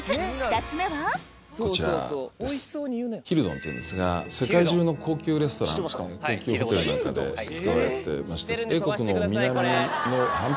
ＨＩＬＤＯＮっていうんですが世界中の高級レストラン高級ホテルなんかで使われてまして。